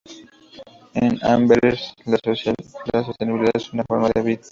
En Amberes la sostenibilidad es una forma de vida.